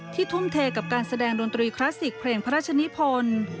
ทุ่มเทกับการแสดงดนตรีคลาสสิกเพลงพระราชนิพล